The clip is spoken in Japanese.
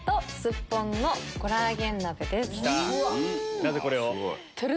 なぜこれを？